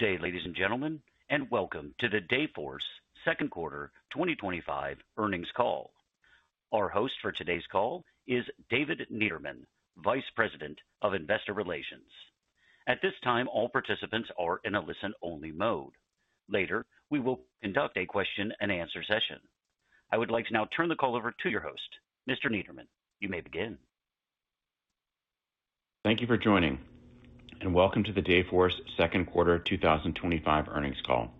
Good day, ladies and gentlemen, and welcome to the Dayforce second quarter 2025 earnings call. Our host for today's call is David Niederman, Vice President of Investor Relations. At this time, all participants are in a listen-only mode. Later we will conduct a question-and-answer session. I would like to now turn the call over to your host. Mr. Niederman, you may begin. Thank you for joining and welcome to the Dayforce second quarter 2025 earnings call.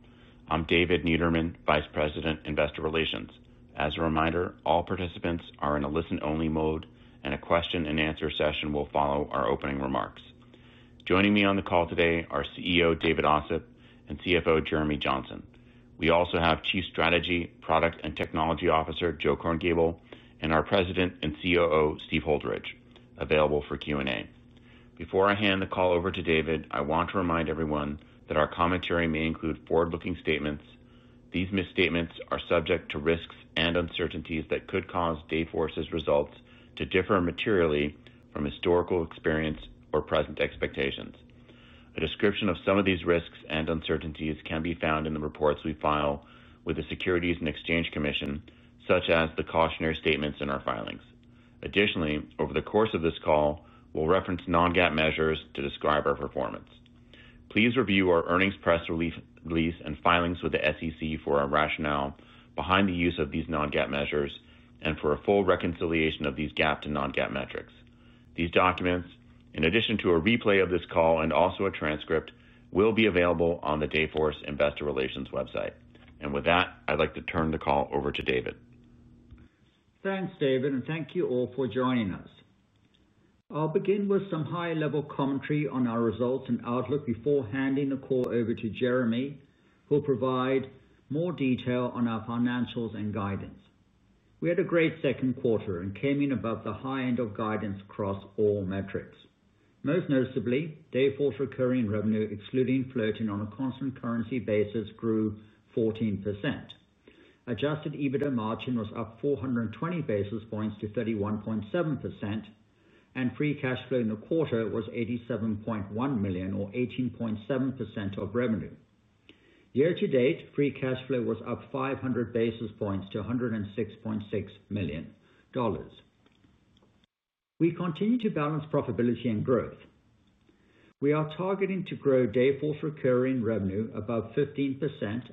I'm David Niederman, Vice President, Investor Relations. As a reminder, all participants are in a listen only mode and a question and answer session will follow our opening remarks. Joining me on the call today are CEO David Ossip and CFO Jeremy Johnson. We also have Chief Strategy, Product and Technology Officer Joe Korngiebel and our President and COO Steve Holdridge available forQ&A. Before I hand the call over to David, I want to remind everyone that our commentary may include forward-looking statements. These statements are subject to risks and uncertainties that could cause Dayforce's results to differ materially from historical experience or present expectations. A description of some of these risks and uncertainties can be found in the reports we file with the Securities and Exchange Commission, such as the cautionary statements in our filings. Additionally, over the course of this call, we'll reference non-GAAP measures to describe our performance. Please review our earnings press release and filings with the SEC for our rationale behind the use of these non-GAAP measures and for a full reconciliation of these GAAP to non-GAAP metrics. These documents, in addition to a replay of this call and also a transcript, will be available on the Dayforce Investor Relations website. With that, I'd like to turn the call over to David. Thanks David and thank you all for joining us. I'll begin with some high-level commentary on our results and outlook before handing the call over to Jeremy, who will provide more detail on our financials and guidance. We had a great second quarter and came in above the high end of guidance across all metrics. Most noticeably, Dayforce recurring revenue excluding float on a constant currency basis grew 14%. Adjusted EBITDA margin was up 420 basis points to 31.7%, and free cash flow in the quarter was $87.1 million or 18.7% of revenue. Year-to-date, free cash flow was up 500 basis points to $106.6 million. We continue to balance profitability and growth. We are targeting to grow Dayforce recurring revenue above 15%,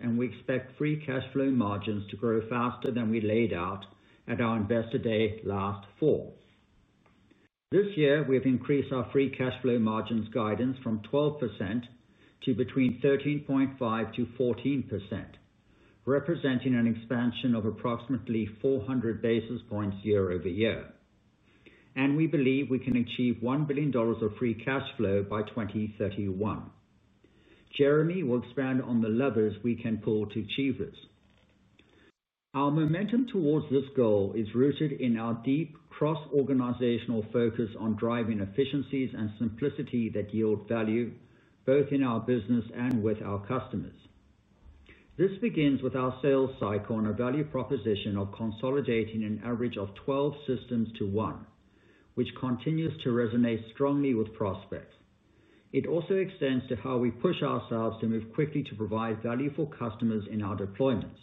and we expect free cash flow margins to grow faster than we laid out at our Investor Day last fall. This year, we have increased our free cash flow margin guidance from 12% to between 13.5%-14%, representing an expansion of approximately 400 basis points year-over-year, and we believe we can achieve $1 billion of free cash flow by 2031. Jeremy will expand on the levers we can pull to achieve this. Our momentum towards this goal is rooted in our deep cross-organizational focus on driving efficiencies and simplicity that yield value both in our business and with our customers. This begins with our sales cycle and a value proposition of consolidating an average of 12 systems to one, which continues to resonate strongly with prospects. It also extends to how we push ourselves to move quickly to provide value for customers in our deployments,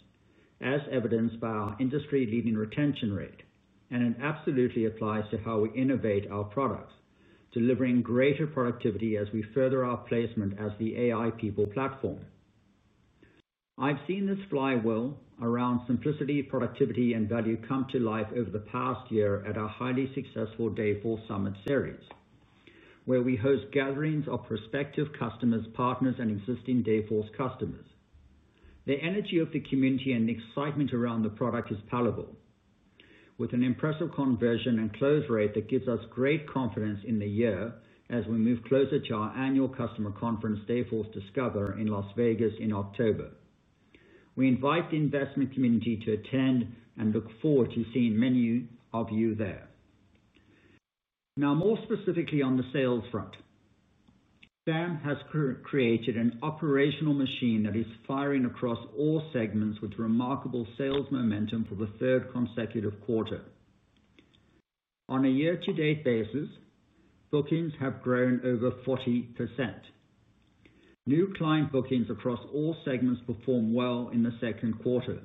as evidenced by our industry-leading retention rate. It absolutely applies to how we innovate our products, delivering greater productivity as we further our placement as the AI People platform. I've seen this flywheel around simplicity, productivity, and value come to life over the past year at our highly successful Dayforce Summit series, where we host gatherings of prospective customers, partners, and existing Dayforce customers. The energy of the community and excitement around the product is palpable, with an impressive conversion and close rate that gives us great confidence in the year. As we move closer to our annual customer conference, Dayforce Discover, in Las Vegas in October, we invite the investment community to attend and look forward to seeing many of you there. More specifically on the sales front, BAM has created an operational machine that is firing across all segments with remarkable sales momentum for the third consecutive quarter. On a year-to-date basis, bookings have grown over 40%. New client bookings across all segments performed well in the second quarter.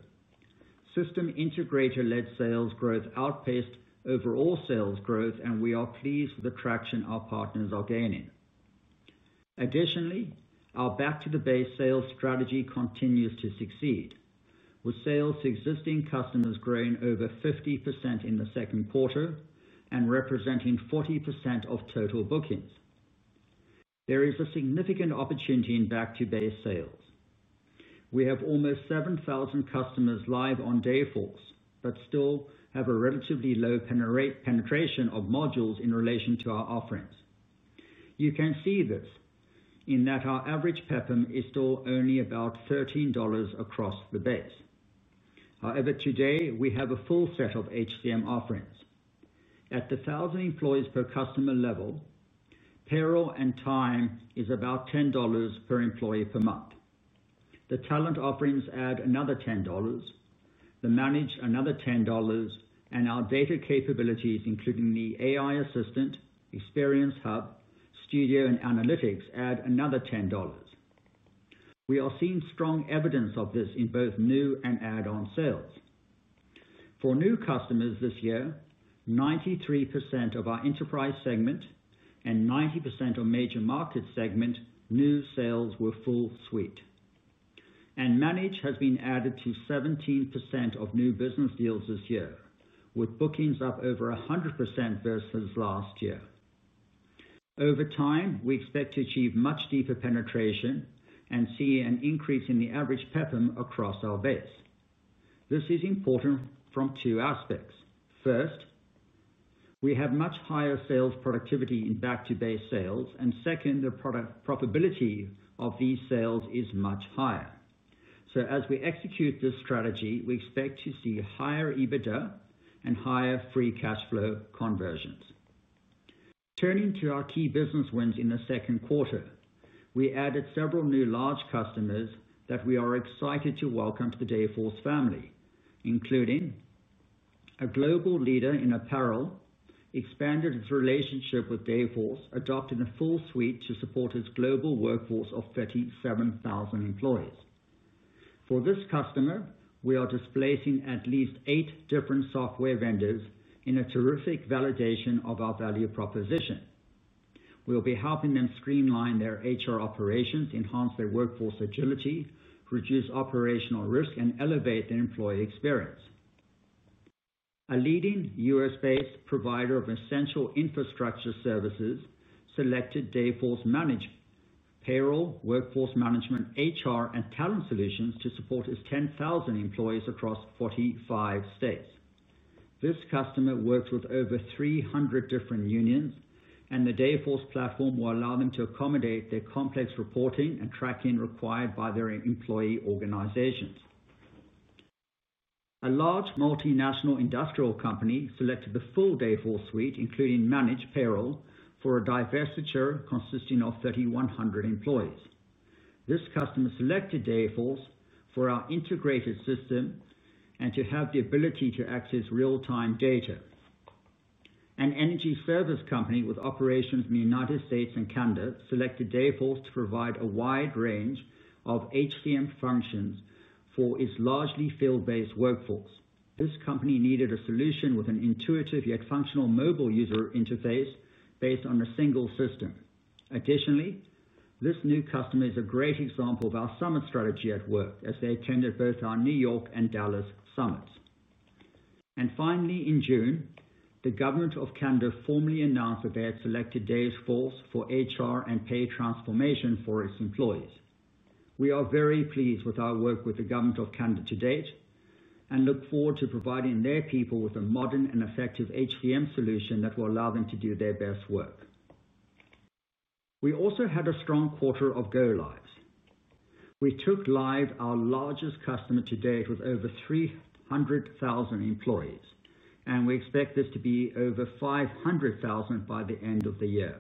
SI-led sales growth outpaced the overall sales growth, and we are pleased with the traction our partners are gaining. Additionally, our back-to-base sales strategy continues to succeed. With sales to existing customers growing over 50% in the second quarter and representing 40% of total bookings. There is a significant opportunity in back-to-base sales. We have almost 7,000 customers live on Dayforce but still have a relatively low penetration of modules in relation to our offerings. You can see this in that our average PEPM is still only about $13 across the base. However, today we have a full set of HCM offerings at the 1,000 employees per customer level, payroll and time is about $10 per employee per month. The talent offerings add another $10, the Manage another $10, and our data capabilities including the AI Assistant Experience Hub, Studio, and Analytics add another $10. We are seeing strong evidence of this in both new and add-on sales. For new customers this year, 93% of our enterprise segment and 90% of major market segment new sales were full-suite, and Manage has been added to 17% of new business deals this year with bookings up over 100% versus last year. Over time, we expect to achieve much deeper penetration and see an increase in the average PEPM across our base. This is important from two aspects. First, we have much higher sales productivity in back-to-base sales, and second, the product profitability of these sales is much higher. As we execute this strategy, we expect to see higher EBITDA and higher free cash flow conversions. Turning to our key business wins in the second quarter, we added several new large customers that we are excited to welcome to the Dayforce family, including a global leader in apparel that expanded its relationship with Dayforce, adopting a full suite to support its global workforce of 37,000 employees. For this customer, we are displacing at least eight different software vendors. In a terrific validation of our value proposition, we will be helping them streamline their HR operations, enhance their workforce agility, reduce operational risk, and elevate their employee experience. A leading U.S.-based provider of essential infrastructure services selected Dayforce Manager, payroll, workforce management, HR, and talent solutions to support its 10,000 employees across 45 states. This customer works with over 300 different unions, and the Dayforce platform will allow them to accommodate their complex reporting and tracking required by their employee organizations. A large multinational industrial company selected the full Dayforce suite, including managed payroll for a divestiture consisting of 3,100 employees. This customer selected Dayforce for our integrated system and to have the ability to access real-time data. An energy service company with operations in the United States and Canada selected Dayforce to provide a wide range of HCM functions for its largely field-based workforce. This company needed a solution with an intuitive yet functional mobile user interface based on a single system. Additionally, this new customer is a great example of our summit strategy at work, as they attended both our New York and Dallas Summits. Finally, in June, the Government of Canada formally announced that they had selected Dayforce for HR and pay transformation for its employees. We are very pleased with our work with the Government of Canada to date and look forward to providing their people with a modern and effective HCM solution that will allow them to do their best work. We also had a strong quarter of go-lives. We took live our largest customer to date with over 300,000 employees, and we expect this to be over 500,000 by the end of the year.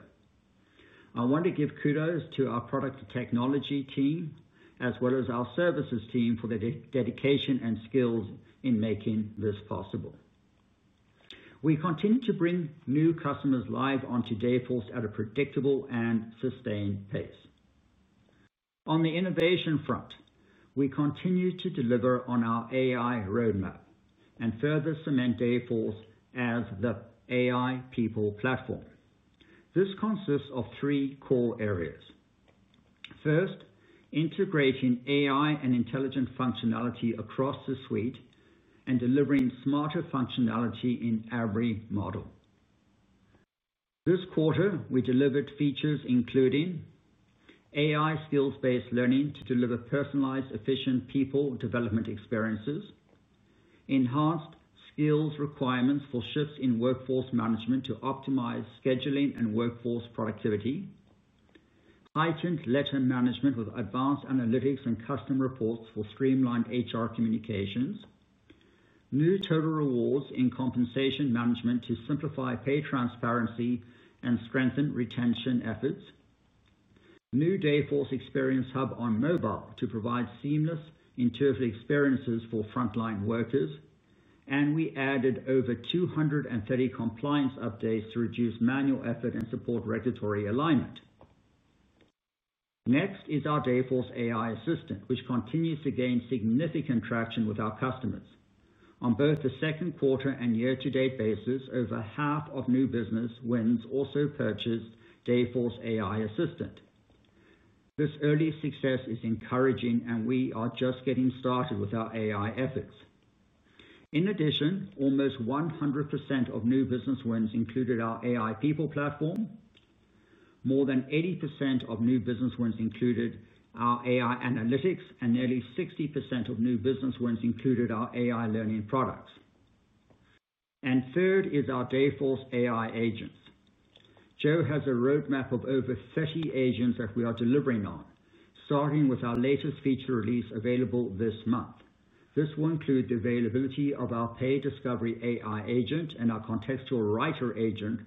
I want to give kudos to our product technology team as well as our services team for their dedication and skills in making this possible. We continue to bring new customers live onto Dayforce at a predictable and sustained pace. On the innovation front, we continue to deliver on our AI roadmap and further cement Dayforce as the AI People Platform. This consists of three core areas. First, integrating AI and intelligent functionality across the suite and delivering smarter functionality in every model. This quarter we delivered features including AI skills-based learning to deliver personalized, efficient people development experiences, enhanced skills requirements for shifts in workforce management to optimize scheduling and workforce productivity, heightened letter management with advanced analytics and custom reports for streamlined HR communications, new total rewards in compensation management to simplify pay transparency and strengthen retention efforts, new Dayforce Experience Hub on Mobile to provide seamless interface experiences for frontline workers, and we added over 230 compliance updates to reduce manual effort and support regulatory alignment. Next is our Dayforce AI Assistant, which continues to gain significant traction with our customers on both the second quarter and year-to-date basis. Over half of new business wins also purchased Dayforce AI Assistant. This early success is encouraging, and we are just getting started with our AI efforts. In addition, almost 100% of new business wins included our AI People platform, more than 80% of new business wins included our AI analytics, and nearly 60% of new business wins included our AI Learning products. Third is our Dayforce AI Agents. Joe has a roadmap of over 30 agents that we are delivering on, starting with our latest feature release available this month. This will include the availability of our Pay Discovery AI Agent and our Contextual Writer Agent,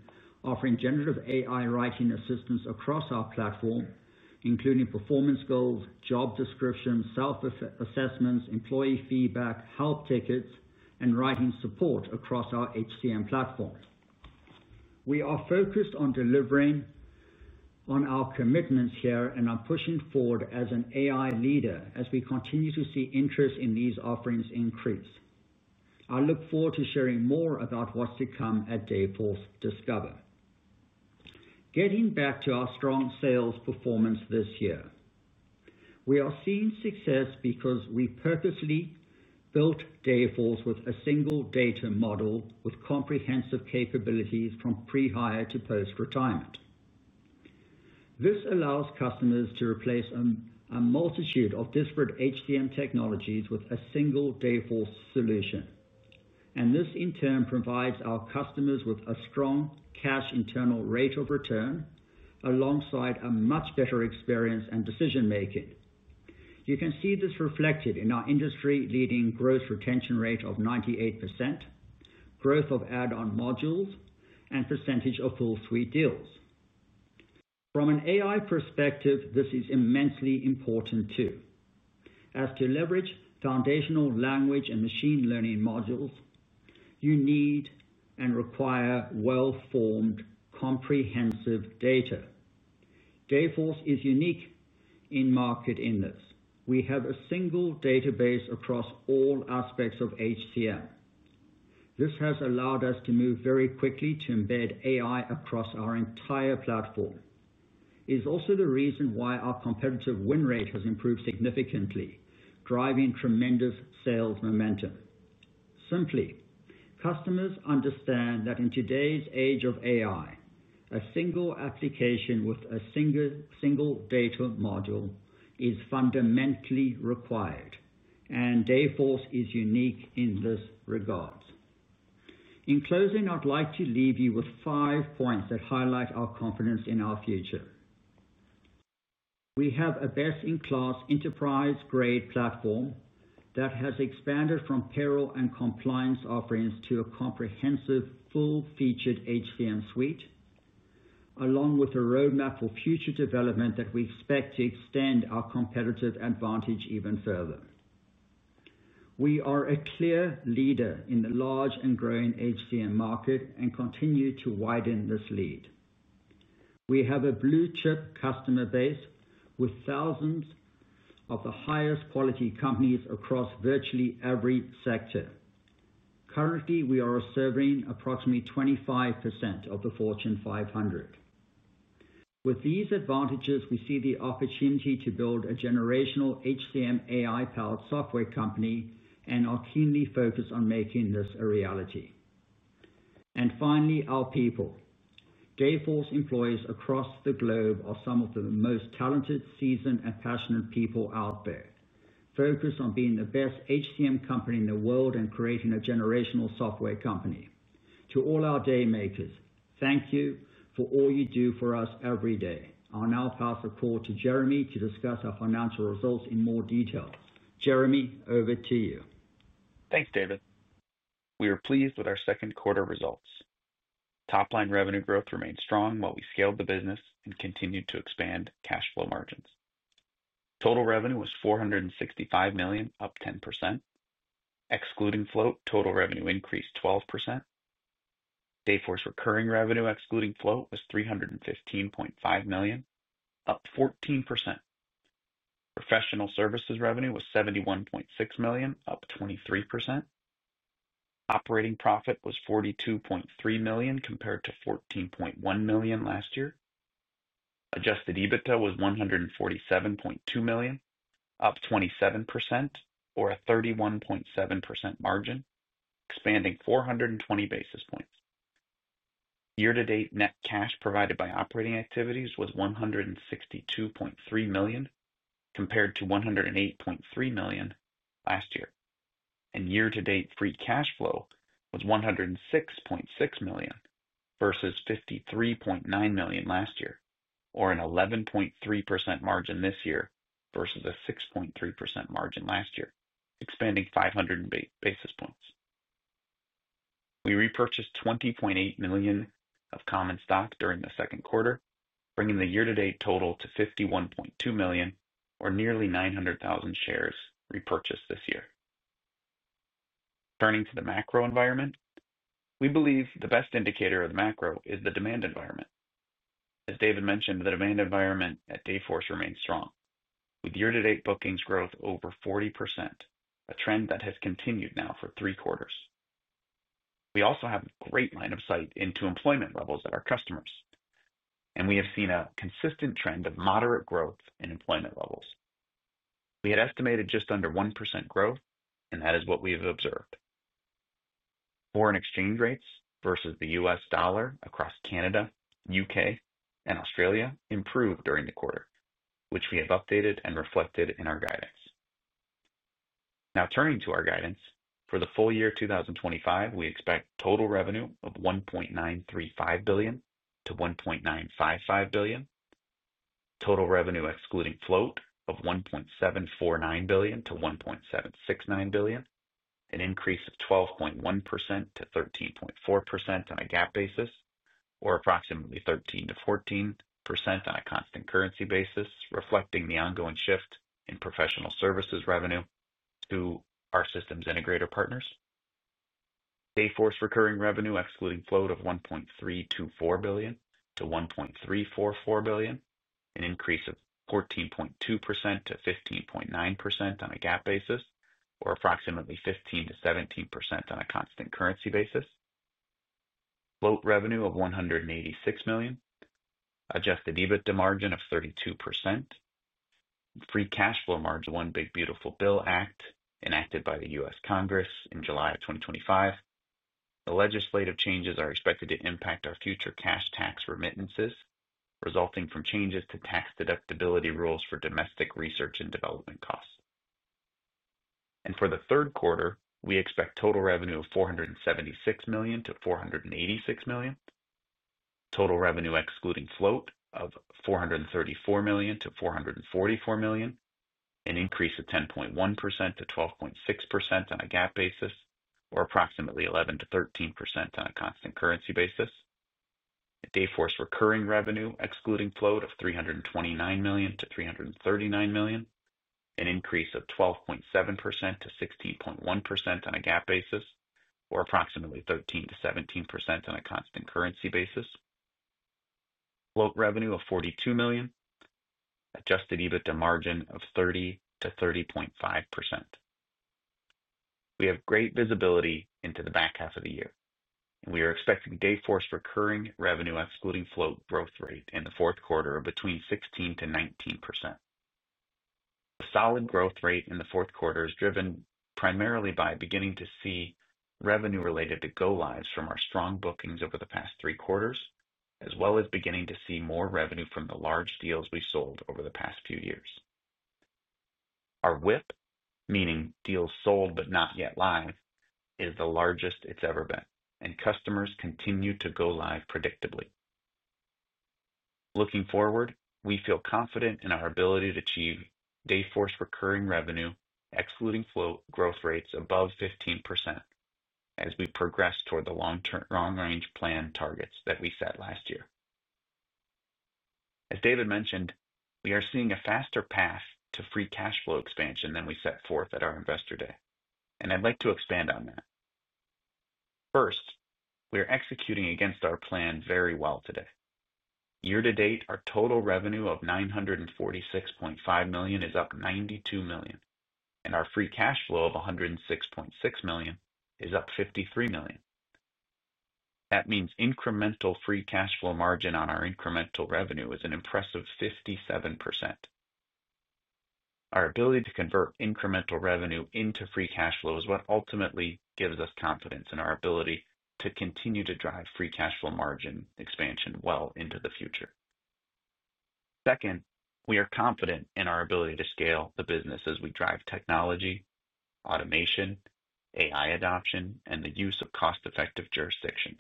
offering generative AI writing assistance across our platform including performance goals, job descriptions, self-assessments, employee feedback, help tickets, and writing support across our HCM platform. We are focused on delivering on our commitments here and are pushing forward as an AI leader as we continue to see interest in these offerings increase. I look forward to sharing more about what's to come at Dayforce Discover. Getting back to our strong sales performance this year, we are seeing success because we purposely built Dayforce with a single data model with comprehensive capabilities from pre-hire to post-retirement. This allows customers to replace a multitude of disparate HCM technologies with a single Dayforce solution, and this in turn provides our customers with a strong cash internal rate of return alongside a much better experience and decision-making. You can see this reflected in our industry-leading gross retention rate of 98%, growth of add-on modules, and percentage of full-suite deals. From an AI perspective, this is immensely important too as to leverage foundational language and machine learning modules you need and require well-formed, comprehensive data. Dayforce is unique in market in this; we have a single database across all aspects of HCM. This has allowed us to move very quickly to embed AI across our entire platform. It is also the reason why our competitive win rate has improved significantly, driving tremendous sales momentum. Simply, customers understand that in today's age of AI, a single application with a single data module is fundamentally required, and Dayforce is unique in this regard. In closing, I'd like to leave you with five points that highlight our confidence in our future. We have a best-in-class, enterprise-grade platform that has expanded from payroll and compliance operations to a comprehensive, full-featured HCM suite, along with a roadmap for future development that we expect to extend our competitive advantage even further. We are a clear leader in the large and growing HCM market and continue to widen this lead. We have a blue-chip customer base with thousands of the highest quality companies across virtually every sector. Currently, we are serving approximately 25% of the Fortune 500. With these advantages, we see the opportunity to build a generational HCM AI-powered software company and are keenly focused on making this a reality. Finally, our people, Dayforce employees across the globe, are some of the most talented, seasoned, and passionate people out there, focused on being the best HCM company in the world and creating a generational software company. To all our day makers, thank you for all you do for us every day. I'll now pass the call to Jeremy to discuss our financial results in more detail. Jeremy, over to you. Thanks David. We were pleased with our second quarter results. Top line revenue growth remained strong while we scaled the business and continued to expand cash flow margins. Total revenue was $465 million, up 10% excluding float total revenue increased 12%. Dayforce recurring revenue excluding float was $315.5 million, up 14%. Professional services revenue was $71.6 million, up 23%. Operating profit was $42.3 million compared to $14.1 million last year. Adjusted EBITDA was $147.2 million, up 27% or a 31.7% margin, expanding 420 basis points year-to-date. Net cash provided by operating activities was $162.3 million compared to $108.3 million last year and year-to-date. Free cash flow was $106.6 million versus $53.9 million last year or an 11.3% margin this year versus a 6.3% margin last year, expanding 500 basis points. We repurchased $20.8 million of common stock during the second quarter, bringing the year-to-date total to $51.2 million or nearly 900,000 shares repurchased this year. Turning to the macro environment, we believe the best indicator of the macro is the demand environment. As David mentioned, the demand environment at Dayforce remains strong with year-to-date bookings growth over 40%, a trend that has continued now for three quarters. We also have great line of sight into employment levels at our customers and we have seen a consistent trend of moderate growth in employment levels. We had estimated just under 1% growth and that is what we have observed. Foreign exchange rates versus the U.S. dollar across Canada, U.K. and Australia improved during the quarter, which we have updated and reflected in our guidance. Now turning to our guidance for the full year 2025, we expect total revenue of $1.935 billio-$1.955 billion, total revenue excluding float of $1.749 billion-$1.769 billion, an increase of 12.1%-13.4% on a GAAP basis, or approximately 13%-14% on a constant currency basis, reflecting the ongoing shift in professional services revenue through our Systems Integrator Partners. Dayforce recurring revenue excluding float of $1.324 billion-$1.344 billion, an increase of 14.2%-15.9% on a GAAP basis, or approximately 15%-17% on a constant currency basis. Float revenue of $186 million, adjusted EBITDA margin of 32%, free cash flow margin, One Big Beautiful Bill Act enacted by the U.S. Congress in July of 2025. The legislative changes are expected to impact our future cash tax remittances resulting from changes to tax deductibility rules for domestic research and development costs, and for the third quarter we expect total revenue of $476 million-$486 million, total revenue excluding float of $434 million-$444 million, an increase of 10.1%-12.6% on a GAAP basis, or approximately 11%-13% on a constant currency basis. Dayforce recurring revenue excluding float of $329 million-$339 million, an increase of 12.7%-16.1% on a GAAP basis, or approximately 13%-17% on a constant currency basis. Float revenue of $42 million, adjusted EBITDA margin of 30%-30.5%. We have great visibility into the back half of the year. We are expecting Dayforce recurring revenue excluding float growth rate in the fourth quarter between 16%-19%. A solid growth rate in the fourth quarter is driven primarily by beginning to see revenue related to go lives from our strong bookings over the past three quarters, as well as beginning to see more revenue from the large deals we sold over the past few years. Our WIP, meaning deals sold but not yet live, is the largest it's ever been and customers continue to go live predictably. Looking forward, we feel confident in our ability to achieve Dayforce recurring revenue excluding float growth rates above 15% as we progress toward the long range plan targets that we set last year. As David mentioned, we are seeing a faster path to free cash flow expansion than we set forth at our investor day and I'd like to expand on that. First, we are executing against our plan very well today. Year-to-date, our total revenue of $946.5 million is up $92 million and our free cash flow of $106.6 million is up $53 million. That means incremental free cash flow margin on our incremental revenue is an impressive 57%. Our ability to convert incremental revenue into free cash flow is what ultimately gives us confidence in our ability to continue to drive free cash flow margin expansion well into the future. Second, we are confident in our ability to scale the business as we drive technology, automation, AI adoption, and the use of cost effective jurisdictions.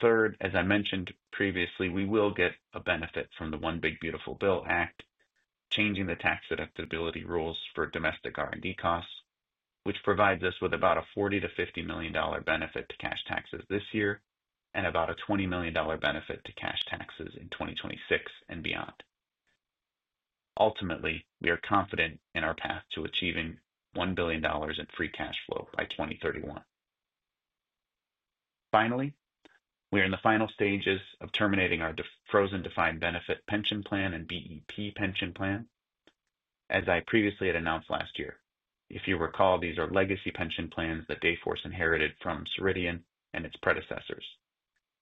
Third, as I mentioned previously, we will get a benefit from the One Big Beautiful Bill Act changing the tax deductibility rules for domestic R&D costs, which provides us with about a $40 million-$50 million benefit to cash taxes this year and about a $20 million benefit to cash taxes in 2026 and beyond. Ultimately, we are confident in our path to achieving $1 billion in free cash flow by 2031. Finally, we are in the final stages of terminating our frozen defined benefit pension plan and BEP pension plan, as I previously had announced last year. If you recall, these are legacy pension plans that Dayforce inherited from Ceridian and its predecessors.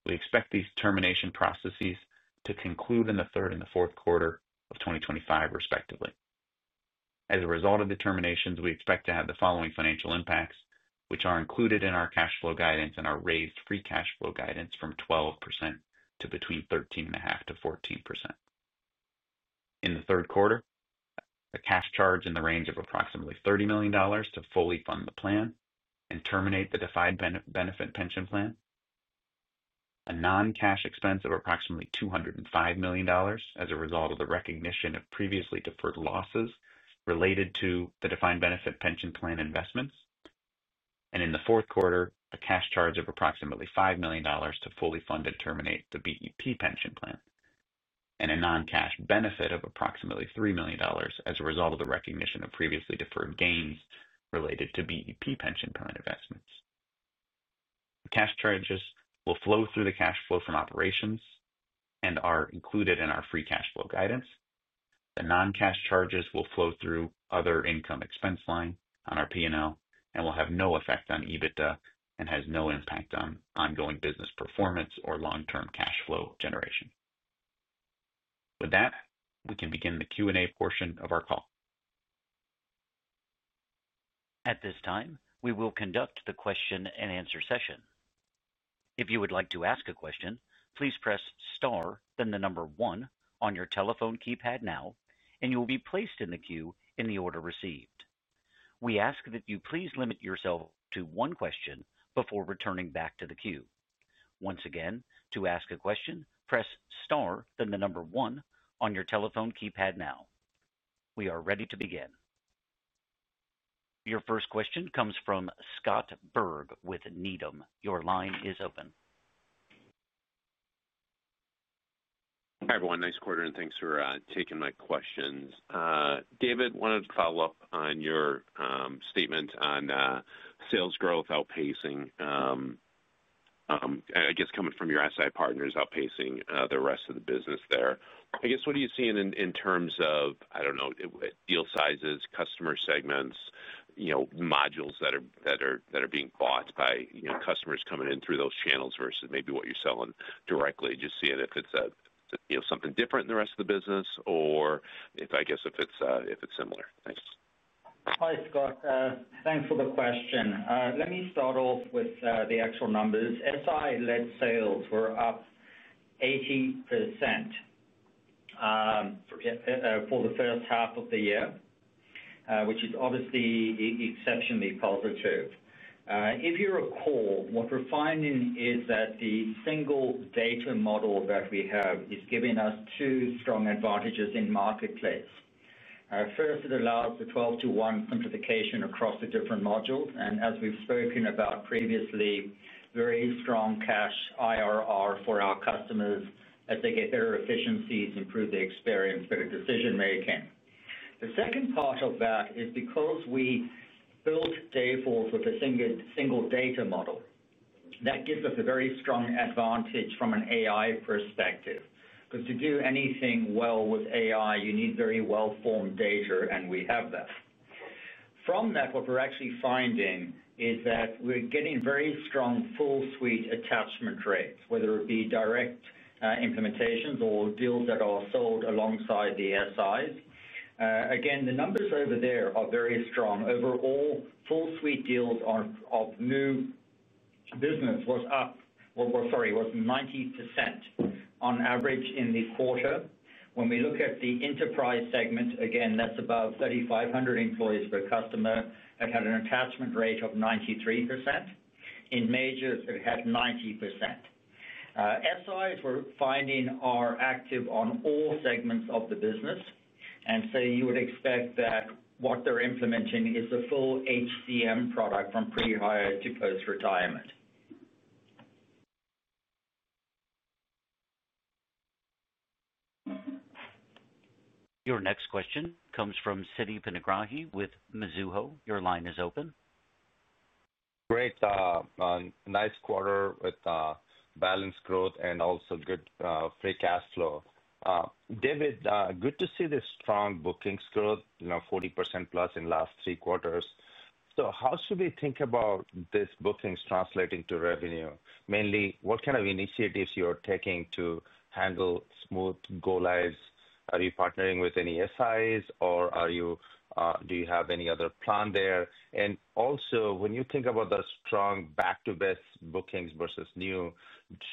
We expect these termination processes to conclude in the third and the fourth quarter of 2025, respectively. As a result of the terminations, we expect to have the following financial impacts, which are included in our cash flow guidance and our raised free cash flow guidance from 12% to between 13.5% -14%. In the third quarter, a cash charge in the range of approximately $30 million to fully fund the plan and terminate the defined benefit pension plan, a non-cash expense of approximately $205 million as a result of the recognition of previously deferred losses related to the defined benefit pension plan investments, and in the fourth quarter, a cash charge of approximately $5 million to fully fund and terminate the BEP pension plan and a non-cash benefit of approximately $3 million as a result of the recognition of previously deferred gains related to BEP pension plan investments. Cash charges will flow through the cash flow from operations and are included in our free cash flow guidance. The non-cash charges will flow through other income expense line on our P&L and will have no effect on EBITDA and have no impact on ongoing business performance or long-term cash flow generation. With that, we can begin the Q&A portion of our call. At this time, we will conduct the question and answer session. If you would like to ask a question, please press Star then the number one on your telephone keypad now, and you will be placed in the queue in the order received. We ask that you please limit yourself to one question before returning back toq the queue once again. To ask a question, press Star then the number one on your telephone keypad now. We are ready to begin. Your first question comes from Scott Berg with Needham & Company. Your line is open. Everyone, nice quarter and thanks for taking my questions. David, wanted to follow up on your statement on sales growth. Outpacing, I guess coming from your SI partners, outpacing the rest of the business there. What are you seeing in terms of deal sizes, customer segments, modules that are being bought by customers coming in through those channels versus maybe what you're selling directly? Just seeing if it's something different in the rest of the business or if it's similar. Thanks. Hi Scott, thanks for the question. Let me start off with the actual numbers. SI-led sales were up 80% for the first half of the year, which is obviously exceptionally positive if you recall. What we're finding is that the single data model that we have is giving us two strong advantages in Marketplace. First, it allows the 12/1 simplification across the different modules, and as we've spoken about previously, very strong cash IRR for our customers as they get better efficiencies, improve the experience, better decision making. The second part of that is because we built Dayforce with a single data model that gives us a very strong advantage from an AI perspective because to do anything well with AI you need very well-formed data, and we have this. From that, what we're actually finding is that we're getting very strong full-suite attachment rates, whether it be direct implementations or deals that are sold alongside the SIs. Again, the numbers over there are very strong. Overall, full-suite deals of new business was 90% on average in the quarter. When we look at the enterprise segment, again that's above 3,500 employees per customer and had an attachment rate of 93%. In majors, it had 90%. SIs, we're finding, are active on all segments of the business, and you would expect that what they're implementing is a full HCM product from pre-hire to post-retirement. Your next question comes from Siti Panigrahi with Mizuho Securities.Your line is open. Great. Nice quarter with balanced growth and also good free cash flow. David, good to see this strong bookings growth, 40%+ in last three quarters. How should we think about this bookings translating to revenue? Mainly what kind of initiatives you're taking o handle smooth go lives, are you partnering with any SIs, or do you have any other plan there? Also, when you think about the strong back-to-base bookings versus new.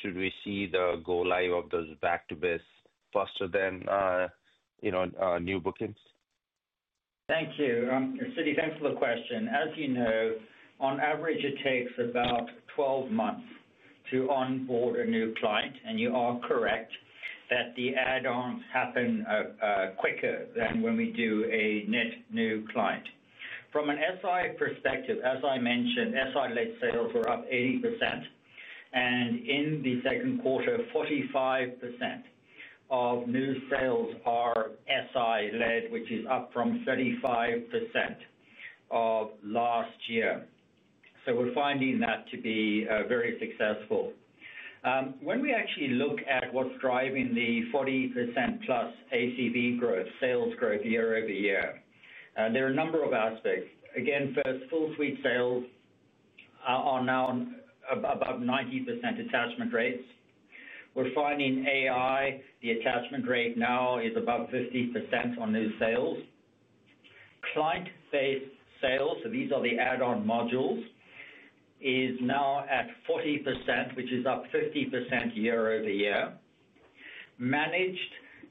Should we see the go live of those back-to-base sales faster than new bookings? Thank you Siti, thanks for the question. As you know, on average it takes about 12 months to onboard a new client, and you are correct that the add-ons happen quicker than when we do a net new client. From an SI perspective, as I mentioned, SI-led sales were up 80%, and in the second quarter, 45% of new sales are SI-led, which is up from 35% last year. We're finding that to be very successful. When we actually look at what's driving the 40%+ ACV growth, sales growth year-over-year, there are a number of aspects. Again, first, full-suite sales are now about 90% attachment rates. We're finding AI, the assessment rate now is about 50% on new sales. Client-based sales, so these are the add-on modules, is now at 40%, which is up 50% year-over-year. Managed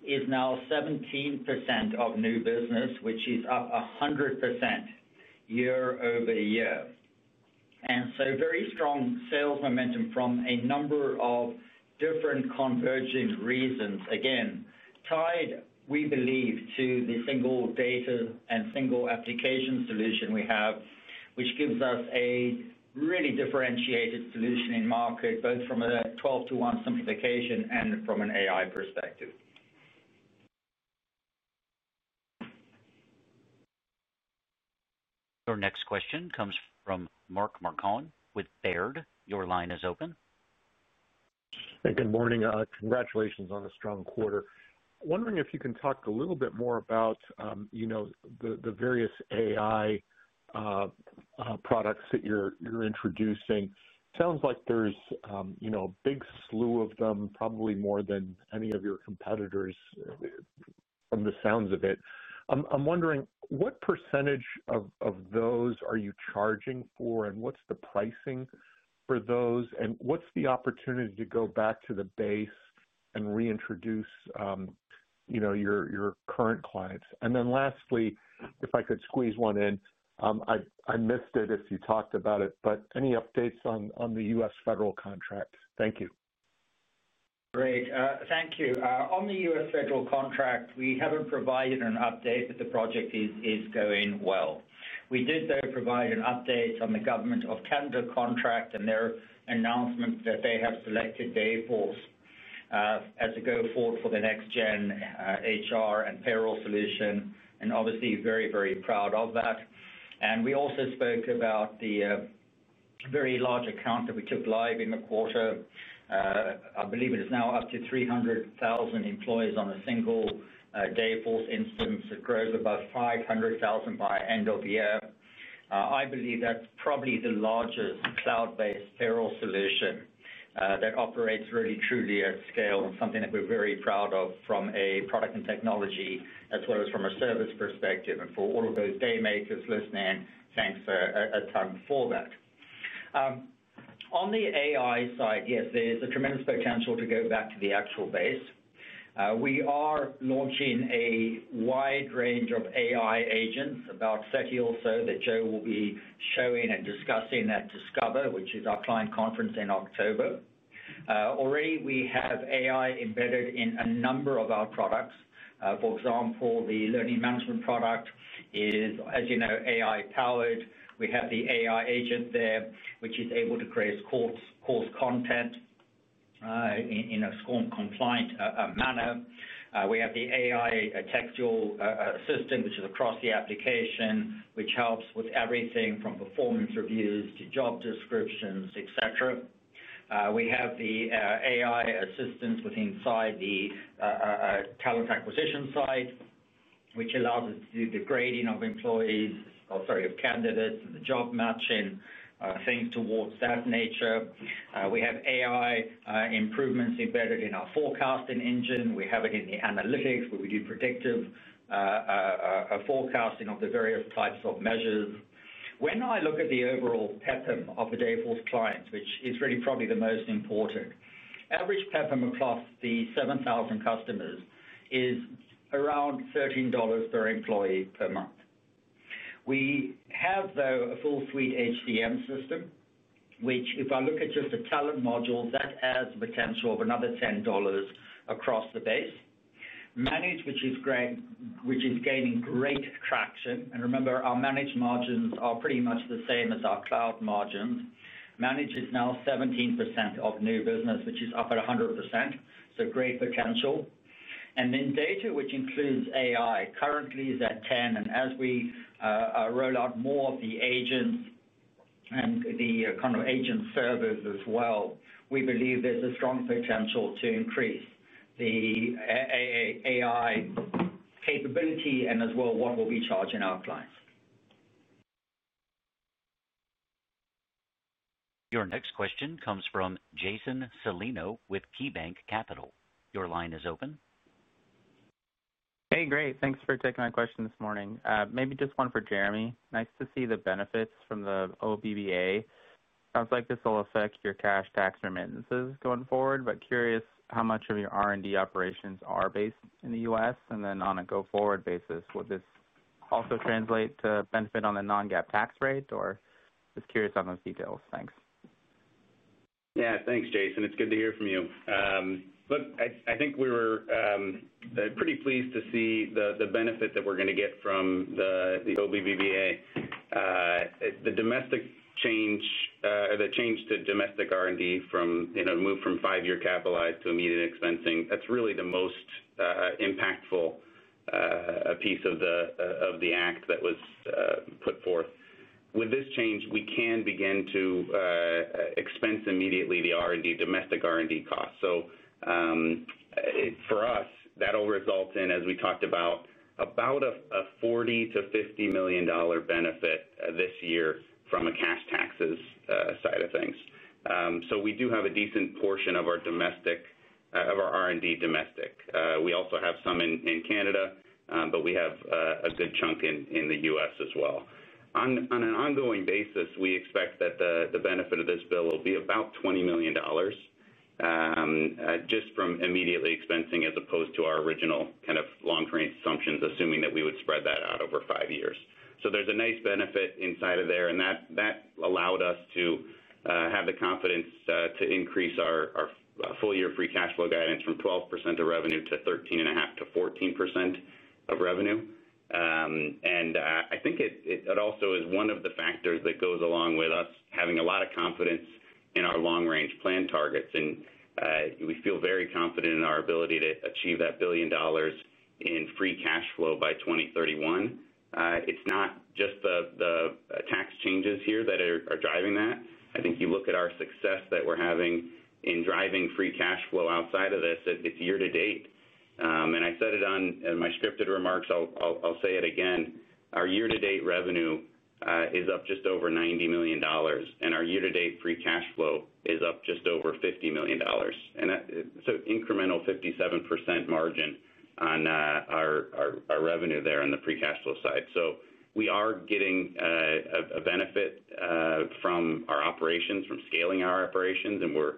is now 17% of new business, which is up 100% year-over-year, and very strong sales momentum from a number of different converging reasons. Again, tied, we believe, to the single data and single application solution we have, which gives us a really differentiated solution in market, both from a 12/1 simplification and from an AI perspective. Our next question comes from Mark Marcon with Baird. Your line is open. Good morning. Congratulations on a strong quarter. Wondering if you can talk a little bit more about the various AI products that you're introducing. Sounds like there's a big slew of them, probably more than any of your competitors from the sounds of it. I'm wondering what percentage of those are you charging for and what's the pricing for those and what's the opportunity to go back to the base and reintroduce your current clients. Lastly, if I could squeeze one in, I missed it if you talked about it, but any updates on the U.S. federal contract? Thank you. Great, thank you. On the U.S. federal contract we haven't provided an update but the project is going well. We did provide an update on the Government of Canada contract and their announcements that they have selected Dayforce as a go forward for the next gen HR and payroll solution and obviously very, very proud of that. We also spoke about the very large account that we took live in the quarter. I believe it is now up to 300,000 employees on a single day. For instance, it grows above 500,000 by end of year. I believe that's probably the largest cloud-based payroll solution that operates really truly at scale and something that we're very proud of from a product and technology as well as from a service perspective. For all of those day makers listening, thanks a ton for that. On the AI side, yes, there's a tremendous potential to go back to the actual base. We are launching a wide range of AI agents, about 30 or so that Joe will be showing and discussing at Discover, which is our client conference in October. Already we have AI embedded in a number of our products. For example, the learning management product is, as you know, AI powered. We have the AI agent there which is able to create course content in a SCORM compliant manner. We have the AI textual system which is across the application which helps with everything from performance reviews to job descriptions, etc. We have the AI assistance inside the talent acquisition side which allows us to do the grading of candidates and the job matching, things towards that nature. We have AI improvements embedded in our forecasting engine. We have it in the analytics where we do predictive forecasting of the various types of measures. When I look at the overall pattern of the Dayforce clients, which is really probably the most important. Average platform across the 7,000 customers is around $13 per employee per month. We have though a full suite HCM system which if I look at just a talent module that adds potential of another $10 across the base manage which is gaining great traction. Remember our managed margins are pretty much the same as our cloud margins. Manage is now 17% of new business which is up at 100%. Great potential. Data which includes AI currently is at $10. As we roll out more of the agents and the kind of agent servers as well, we believe there's a strong potential to increase the AI capability and as well what will be charging our clients. Your next question comes from Jason Celino with KeyBanc Capital Markets. Your line is open. Hey, great. Thanks for taking my question this morning. Maybe just one for Jeremy. Nice to see the benefits from the OBBA. Sounds like this will affect your cash, tax or maintenance going forward, but curious. How much of your R&D. Operations are based in the U.S., and then on a go forward basis would this also translates to benefit on the non-GAAP tax rate or just curious on those details. Thanks. Yeah, thanks Jason. It's good to hear from you. I think we were pretty pleased to see the benefit that we're going to get from the OBBA, the domestic change, the change to domestic R&D from move from five-year capitalized to immediate expensing. That's really the most impactful piece of the act that was put forth. With this change, we can begin to expense immediately the R&D, domestic R&D costs. For us, that will result in, as we talked about, about a $40 million-$50 million benefit this year from a cash taxes side of things. We do have a decent portion of our domestic, of our R&D domestic. We also have some in Canada, but we have a good chunk in the U.S. as well. On an ongoing basis, we expect that the benefit of this bill will be about $20 million. Just from immediately expensing as opposed to our original kind of long term assumptions assuming that we would spread that out over five years, there's a nice benefit inside of there and that allowed us to have the confidence to increase our full year free cash flow guidance from 12% of revenue to 13.5%-14% of revenue. I think it also is one of the factors that goes along with us having a lot of confidence in our long range plan targets and we feel very confident in our ability to achieve that billion dollars in free cash flow by 2031. It's not just the tax changes here that are driving that. I think you look at our success that we're having in driving free cash flow outside of this, it's year-to-date and I said it on my scripted remarks, I'll say it again, our year-to-date revenue is up just over $90 million and our year-to-date free cash flow is up just over $50 million. Incremental 57% margin on our revenue there on the free cash flow side. We are getting a benefit from our operations, from scaling our operations and we're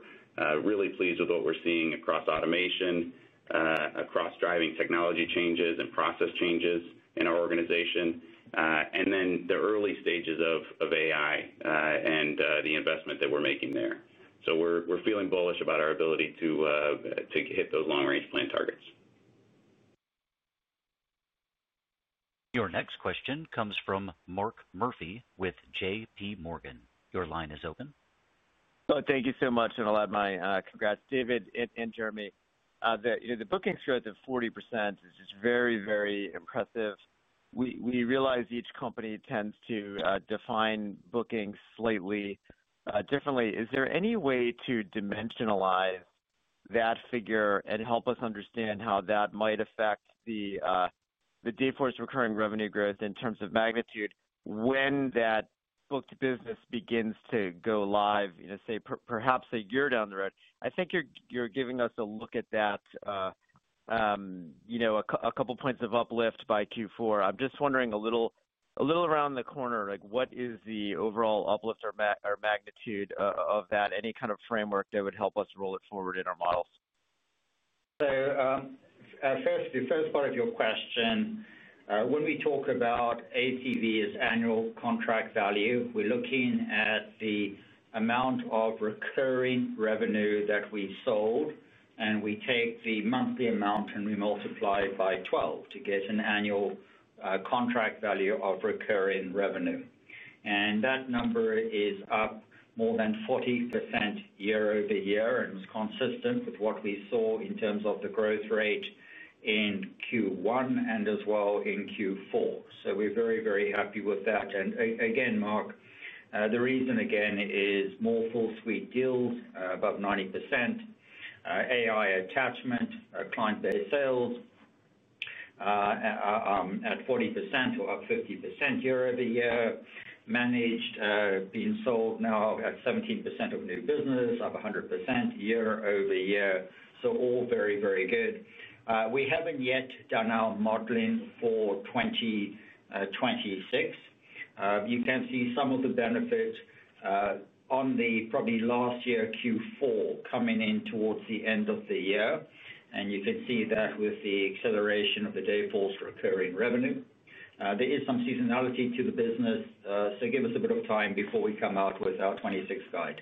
really pleased with what we're seeing across automation, across driving technology changes and process changes in our organization and then the early stages of AI and the investment that we're making there. We're feeling bullish about our ability to hit those long range plan targets. Your next question comes from Mark Murphy with JPMorgan. Your line is open. Thank you so much. I'll add my congrats, David and Jeremy. The bookings growth of 40% is just very, very impressive. We realize each company tends to define bookings slightly differently. Is there any way to dimensionalize that figure and help us understand how that might affect the Dayforce recurring revenue growth in terms of magnitude when that booked business begins to go live, say perhaps a year down the road? I think you're giving us a look at that. A couple points of uplift by Q4. I'm just wondering a little around the corner, what is the overall uplift or magnitude of that? Any kind of framework that would help us roll it forward in our models. The first part of your question, when we talk about ACV as annual contract value, we're looking at the amount of recurring revenue that we sold and we take the monthly amount and we multiply it by 12 to get an annual contract value of recurring revenue. That number is up more than 40% year-over-year and was consistent with what we saw in terms of the growth rate in Q1 and as well in Q4. We're very, very happy with that. Mark, the reason again is more full-suite deals above 90%, AI attachment client-based sales at 40% or up 50% year-over-year, managed being sold now at 17% of new business up 100% year-over-year. All very, very good. We haven't yet done our modeling for 2026. You can see some of the benefit on probably last year Q4 coming in towards the end of the year. You can see that with the acceleration of the Dayforce recurring revenue there is some seasonality to the business. Give us a bit of time before we come out with our 2026 guide.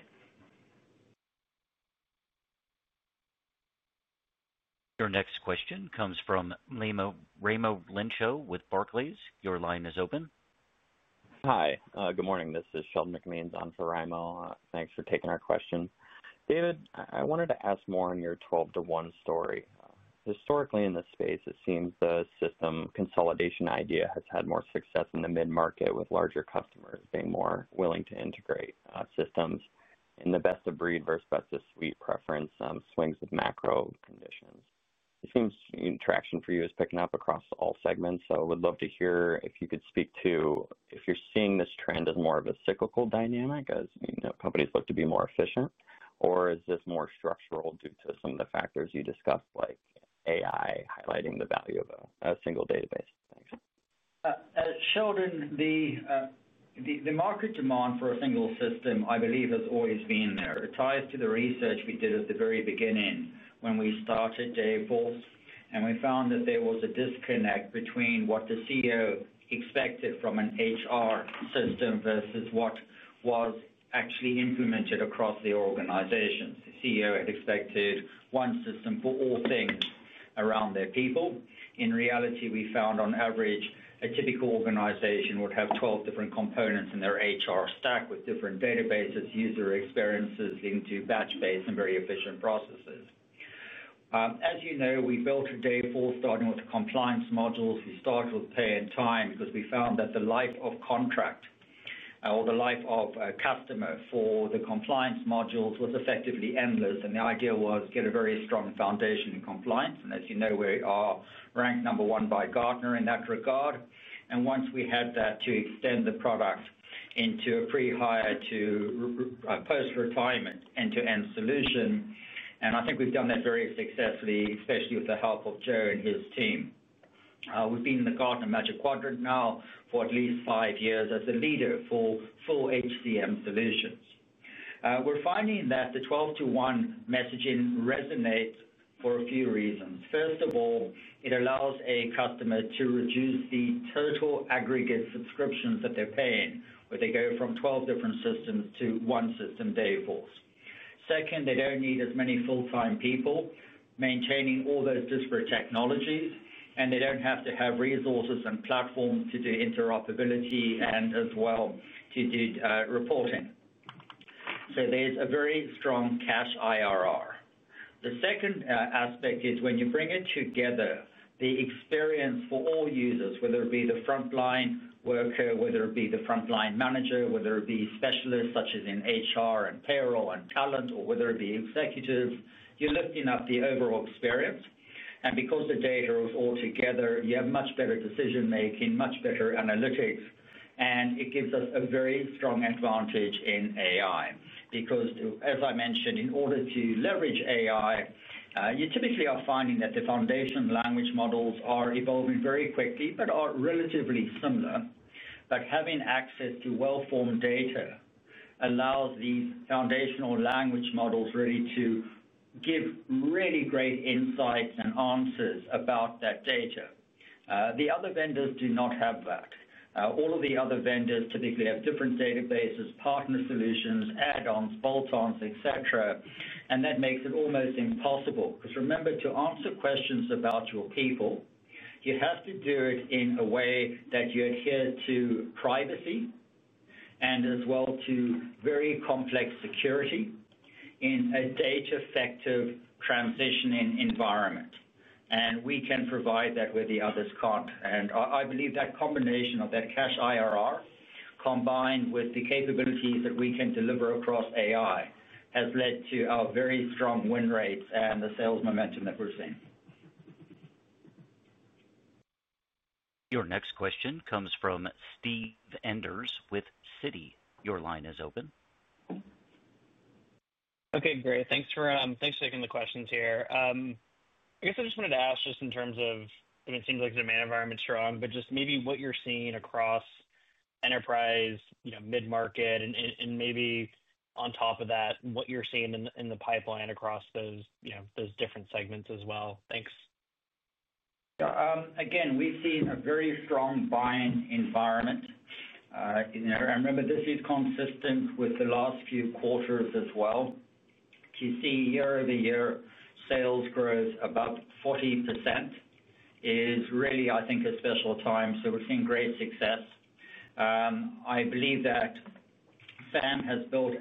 Your next question comes from Raimo Lenschow with Barclays. Your line is open. Hi, good morning, this is Sheldon McMeans on for Raimo. Thanks for taking our question, David. I wanted to ask more on your 12/1 story. Historically in this space, it seems the system consolidation idea has had more success in the mid market, with larger customers being more willing to integrate systems in the best of breed versus best of preference swings with macro conditions. It seems traction for you is picking up across all segments. I would love to hear if you could speak to if you're seeing. This trend as more of a cyclical dynamic as companies look to be more efficient, or is this more structural due to some of the factors you discussed like AI highlighting the value of a single database? Sheldon, the market demand for a single system I believe has always been there. It ties to the research we did at the very beginning when we started Dayforce and we found that there was a disconnect between what the CEO expected from an HR system versus what was actually implemented across the organizations. The CEO had expected one system for all things around their people. In reality, we found on average a typical organization would have 12 different components in their HR stack with different databases, user experiences into batch-based and very inefficient processes. As you know, we built Dayforce starting with compliance modules. We start with pay and time because we found that the life of contract or the life of a customer for the compliance modules was effectively endless, and the idea was get a very strong foundation in compliance. As you know, we are ranked number one by Gartner in that regard, and once we had that, to extend the product into a pre-hire to post-retirement end-to-end solution. I think we've done that very successfully, especially with the help of Joe and his team. We've been in the Gartner Magic Quadrant now for at least five years as the leader for full HCM solutions. We're finding that the 12/1 messaging resonates for a few reasons. First of all, it allows a customer to reduce the total aggregate subscriptions that they're paying where they go from 12 different systems to one system, Dayforce. Second, they don't need as many full-time people maintaining all those disparate technologies, and they don't have to have resources and platform to do interoperability and as well to do reporting. There's a very strong cash IRR. The second aspect is when you bring it together, the experience for all users, whether it be the frontline worker, whether it be the frontline manager, whether it be specialists such as in HR and payroll and talent, or whether it be executives, you're looking at the overall experience, and because the data is all together, you have much better decision making, much better analytics. It gives us a very strong advantage in AI because, as I mentioned, in order to leverage AI, you typically are finding that the foundation language models are evolving very quickly but are relatively similar. Having access to well-formed data allows these foundational language models really to give really great insights and answers about that data. The other vendors do not have that. All of the other vendors typically have different databases, partner solutions, add-ons, bolt-ons, etc. That makes it almost impossible because remember to answer questions about your people, you have to do it in a way that you adhere to privacy and as well to very complex security in a data-effective transitioning environment. We can provide that where the others can't. I believe that combination of that cash IRR combined with the capabilities that we can deliver across AI has led to our very strong win rates and the sales momentum that we're seeing. Your next question comes from Steve Enders with Citi. Your line is open. Okay, great. Thanks for taking the questions here. I guess I just wanted to ask just in terms of it seems like the demand environment is strong, but just maybe what you're seeing across enterprise, mid-market, and maybe on top of that what you're seeing in the pipeline across those different segments as well. Thanks. Again. We've seen a very strong buying environment. Remember this is consistent with the last few quarters as well. To see year-over-year sales growth above 40% is really, I think, a special time. We're seeing great success. I believe that Sam has built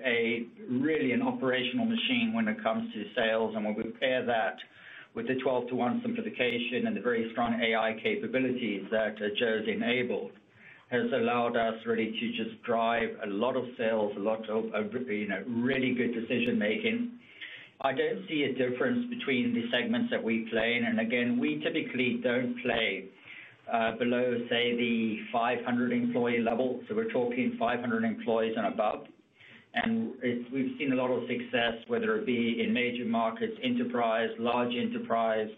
really an operational machine when it comes to sales. When we pair that with the 12/1 simplification and the very strong AI capabilities that Jersey enabled has allowed us really to just drive a lot of sales, a lot of really good decision making. I don't see a difference between the segments that we play in. Again, we typically don't play below, say, the 500 employee level. We're talking 500 employees and above. We've seen a lot of success whether it be in major markets, enterprise, large enterprise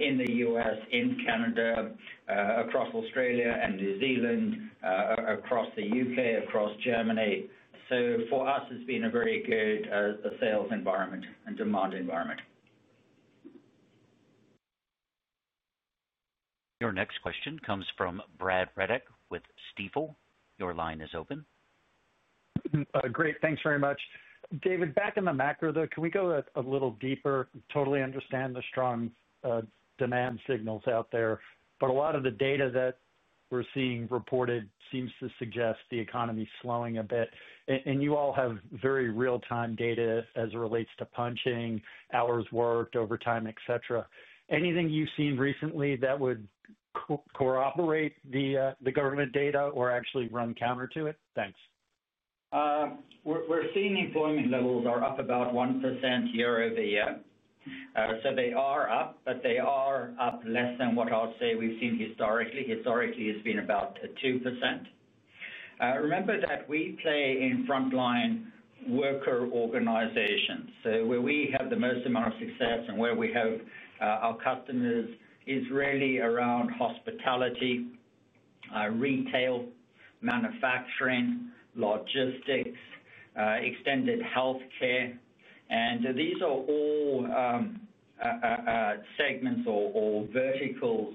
in the U.S., in Canada, across Australia and New Zealand, across the U.K., across Germany. For us, it's been a very good sales environment and demand environment. Your next question comes from Brad Reback with Stifel. Your line is open. Great, thanks very much, David. Back in the macro though, can we go a little deeper? Totally understand the strong demand signals out there, but a lot of the data that we're seeing reported seems to suggest the economy is slowing a bit. You all have very real-time data as it relates to punching hours, worked overtime, etc. Anything you've seen recently that would corroborate the government data or actually run counter to it? Thanks. We're seeing employment levels are up about 1% year-over-year. They are up, but they are up less than what I'll say we've seen historically. Historically, it's been about 2%. Remember that we play in frontline worker organizations. Where we have the most amount of success and where we have our customers is really around hospitality, retail, manufacturing, logistics, extended health care. These are all segments or verticals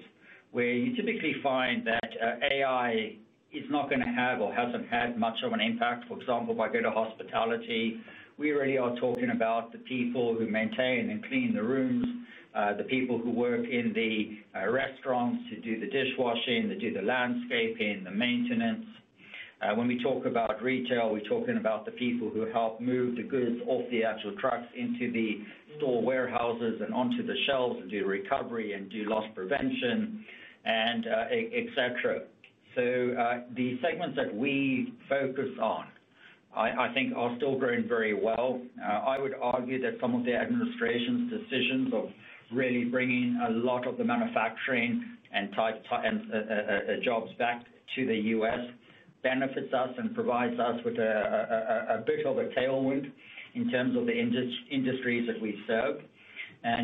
where you typically find that AI is not going to have or hasn't had much of an impact. For example, if I go to hospitality, we really are talking about the people who maintain and clean the rooms, the people who work in the restaurants who do the dishwashing, they do the landscaping, the maintenance. When we talk about retail, we're talking about the people who help move the goods off the actual trucks into the store warehouses and onto the shelves and do recovery and do loss prevention, etc. The segments that we focus on I think are still growing very well. I would argue that some of the administration's decisions of really bringing a lot of the manufacturing and tight jobs back to the U.S. benefits us and provides us with a bit of a tailwind in terms of the industries that we serve.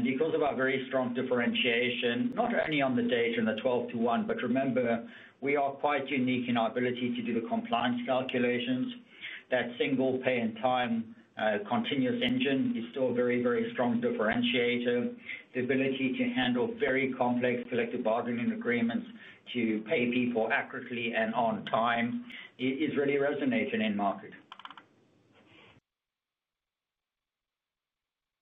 He talks about very strong differentiation not only on the data in the 12/1, but remember we are quite unique in our ability to do the compliance calculations. That single pay in time continuous engine is still a very, very strong differentiator. The ability to handle very complex collective bargaining agreements to pay people accurately and on time really resonates in end market.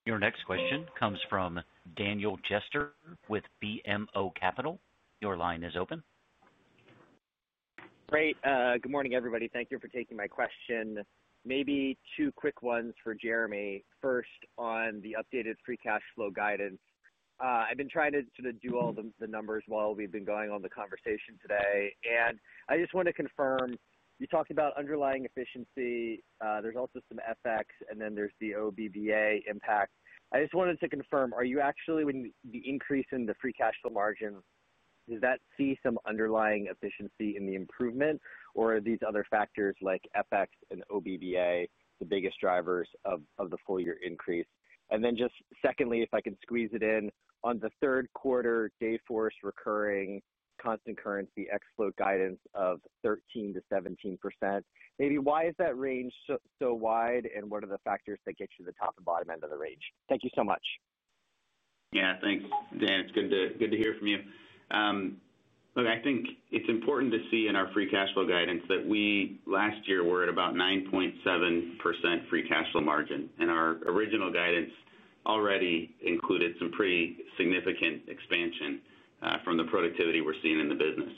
Your next question comes from Daniel Jester with BMO Capital. Your line is open. Great. Good morning everybody. Thank you for taking my question. Maybe two quick ones for Jeremy. First, on the updated free cash flow guidance, I've been trying to do all the numbers while we've been going on the conversation today and I just want to confirm you talked about underlying efficiency. There's also some FX and then there's the OBBA impact. I just wanted to confirm, when the increase in the free cash flow margin, does that see some underlying efficiency in the improvement or are these other factors like FX and OBBA the biggest drivers of the full year increase? Just secondly, if I can squeeze it in on the third quarter Dayforce recurring constant currency ex-float guidance of 13%-17%, why is that range so wide and what are the factors that get you the top and bottom end of the range? Thank you so much. Yeah, thanks, Dan. It's good to hear from you I think it's important to see in. Our free cash flow guidance that we last year we're at about 9.7% free cash flow margin and our original guidance already included some pretty significant expansion from the productivity we're seeing in the business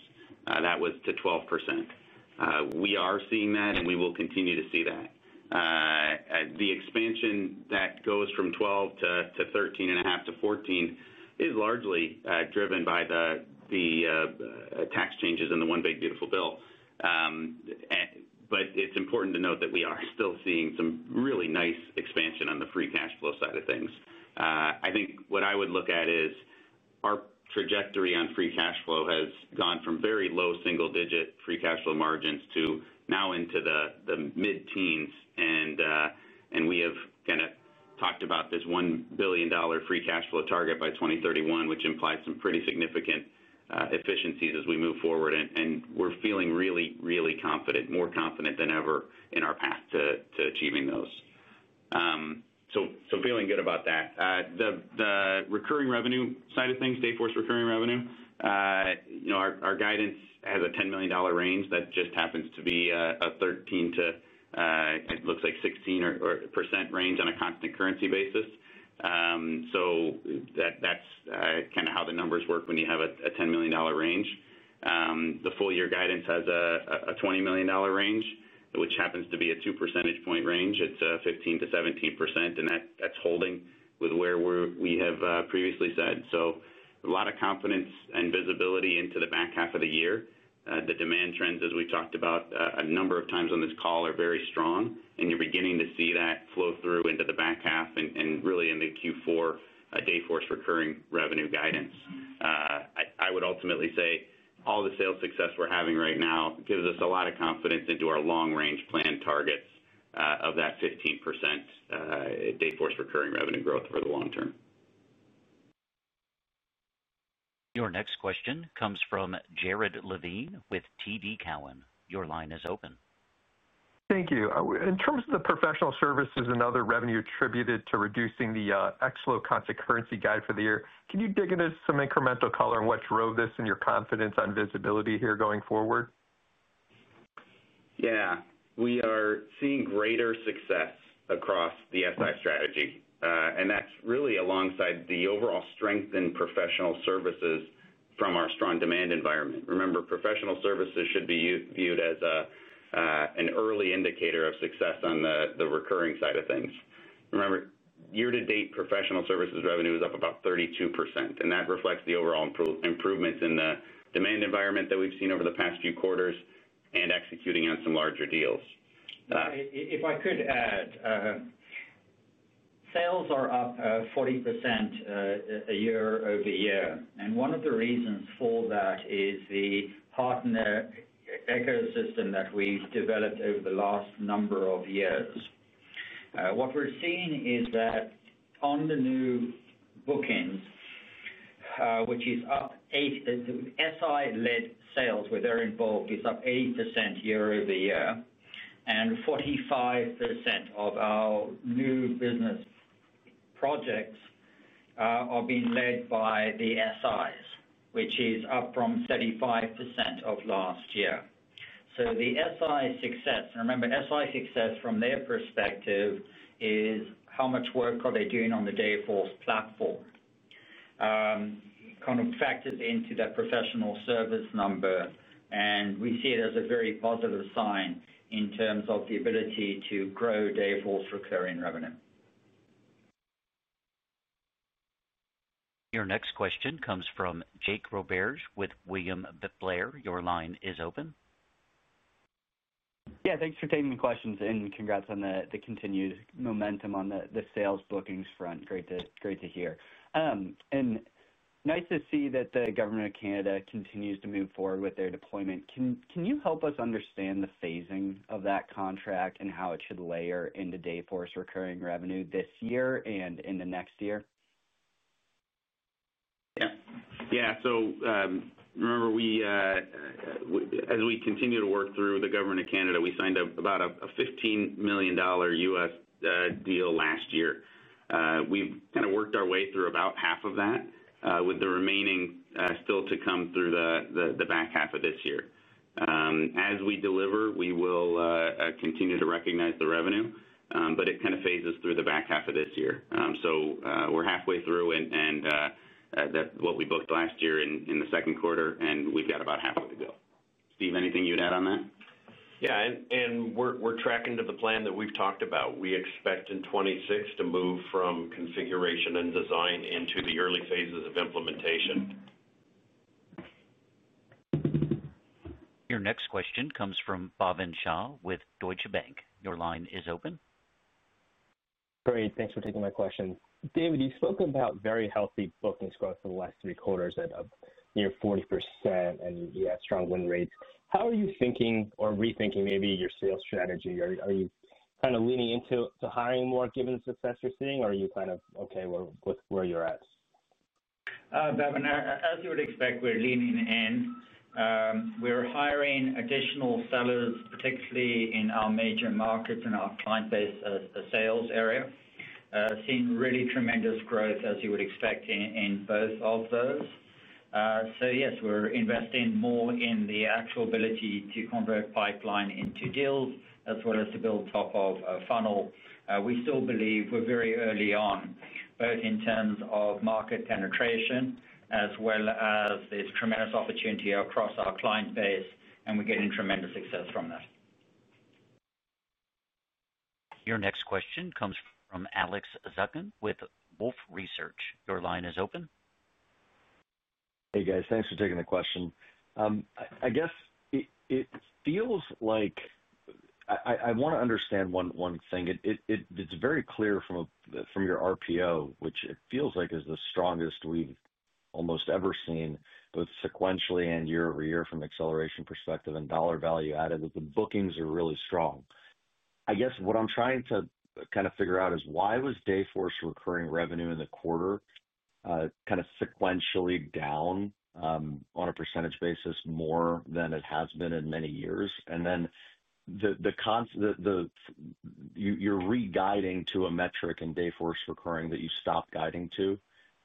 that was to 12%. We are seeing that and we will continue to see that. The expansion that goes from 12%-13.5%-14% is largely driven by the tax changes in the One Big Beautiful Bill. It's important to note that we are still seeing some really nice expansion on the free cash flow side of things. I think what I would look at is our trajectory on free cash flow has gone from very low single digit free cash flow margins to now into the mid teens. We have talked about this $1 billion free cash flow target by 2031 which implies some pretty significant efficiencies as we move forward. We're feeling really, really confident, more confident than ever in our path to achieving those. Feeling good about that. The recurring revenue side of things, Dayforce recurring revenue, our guidance has a $10 million range that just happens to be a 13% to it looks like 16% range on a constant currency basis. That's kind of how the numbers work when you have a $10 million range. The full year guidance has a $20 million range which happens to be a 2 percentage point range. It's 15%-17% and that's holding with where we have previously said. A lot of confidence and visibility into the back half of the year. The demand trends as we talked about a number of times on this call are very strong and you're beginning to see that flow through into the back half. Really in the Q4 Dayforce recurring revenue guidance, I would ultimately say all the sales success we're having right now gives us a lot of confidence into our long range plan targets of that 15% Dayforce recurring revenue growth over the long-term. Your next question comes from Jared Levine with TD Cowen. Your line is open. Thank you. In terms of the professional services and other revenue attributed to reducing the ex-float constant currency guide for the year, can you dig into some incremental color and what drove this and your confidence on visibility here going forward? Yeah, we are seeing greater success across the FDI strategy, and that's really alongside the overall strength in professional services from our strong demand environment. Remember, professional services should be viewed as an early indicator of success on the recurring side of things. Remember, year-to-date, professional services revenue is up about 32%, and that reflects the overall improvement in the demand environment that we've seen over the past few quarters and executing on some larger deals. If I could add, sales are up 40% year-over-year. One of the reasons for that is the partner ecosystem that we've developed over the last number of years. What we're seeing is that on the new bookings, which is up, SI-led sales, where they're in bulk, is up 80% year-over-year. 45% of our new business projects are being led by the SIs, which is up from 35% last year. The SI success, and remember, SI success from their perspective is how much work are they doing on the Dayforce platform, kind of factored into that professional services number, and we see it as a very positive sign in terms of the ability to grow Dayforce recurring revenue. Your next question comes from Jake Roberge with William Blair. Your line is open. Yeah, thanks for taking the questions and congrats on the continued momentum on the sales bookings front. Great to hear and nice to see that the Government of Canada continues to move forward with their deployment. Can you help us understand the phasing Of that contract and how it should layer into Dayforce recurring revenue this year and in the next year? Yeah, so remember we, as we continue to work through the Government of Canada, we signed up about a $15 million U.S. deal last year. We kind of worked our way through about half of that with the remaining still to come. Through the back half of this year as we deliver, we will continue to recognize the revenue, but it kind of phases through the back half of this year. We're halfway through and that what we booked last year in the second quarter and we've got about halfway to go. Steve, anything you'd add on that? Yeah, we're tracking to the plan. That we've talked about, we expect in 2026 to move from configuration and design into the early phases of implementation. Your next question comes from Bhavin Shah with Deutsche Bank. Your line is open. Great. Thanks for taking my question. David, you've spoken about very healthy bookings growth in the last three quarters at a near 40% and you had strong win rates. How are you thinking or rethinking maybe your sales strategy? Are you kind of leaning into hiring more given the success you're seeing? Are you kind of okay where you're at? Bhavin, as you would expect, we're leaning in. We're hiring additional sellers, particularly in our major markets. Our client base area has seen really tremendous growth as you would expect in both of those. Yes, we're investing more in the actual ability to convert pipeline into deals as well as to build top of funnel. We still believe we're very early on both in terms of market penetration as well as there's tremendous opportunity across our client base. We're getting tremendous success from that. Your next question comes from Alex Zukin with Wolfe Research. Your line is open. Hey guys, thanks for taking the question. I guess it feels like I want to understand one thing. It's very clear from your RPO, which. It feels like it's the strongest we've almost ever seen both sequentially and year-over-year. Over year from acceleration perspective and dollar value added that the bookings are really strong. I guess what I'm trying to kind of figure out is why was Dayforce Dayforce recurring revenue in the quarter kind of sequentially down on a percentage basis moreO than it has been in many years. You're guiding to a metric in Dayforce recurring that you stopped guiding to.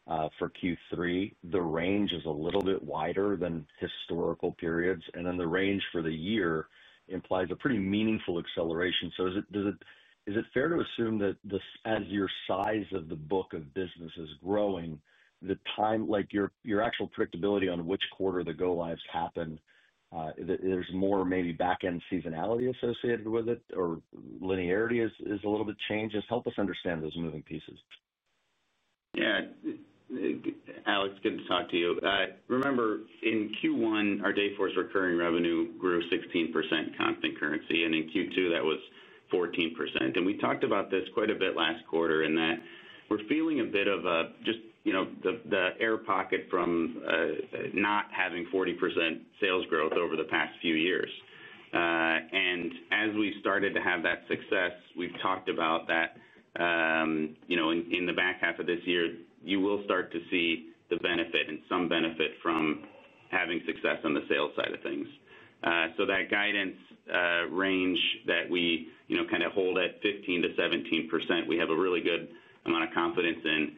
For Q3 the range is a little bit wider than historical periods, and the range for the year implies a pretty meaningful acceleration. Is it fair to assume that as your size of the book of business is growing, your actual predictability on which quarter the go lives happen, there's more maybe back end seasonality associated. With it, linearity is a little bit change. Just help us understand those moving pieces. Yeah, Alex, good to talk to you. I remember in Q1 our Dayforce recurring revenue grew 16% constant currency and in Q2 that was 14%. We talked about this quite a bit last quarter in that we're feeling a bit of just the air pocket from not having 40% sales growth over the past few years. As we started to have that success, we've talked about that in the back half of this year you will start to see the benefit and some benefit from having success on the sales side of things. That guidance range that we, you know, kind of hold at 15%-17%, we have a really good amount of confidence in.